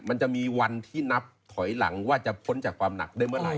มันจะมีวันที่นับถอยหลังว่าจะพ้นจากความหนักได้เมื่อไห